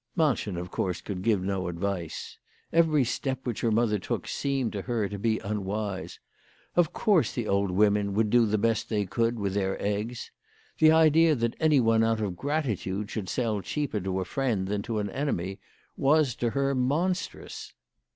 Malchen of course could give no advice. Every step which her mother took seemed to her to be unwise. Of course the old women would do the best they could with their eggs. The idea that any one out of grati tude should sell cheaper to a friend than to an enemy was to her monstrous.